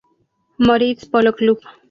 Moritz Polo Club.